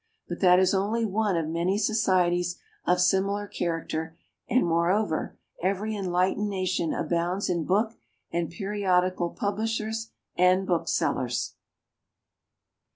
But that is only one of many societies of similar character, and moreover, every enlightened nation abounds in book and periodical publishers and booksellers.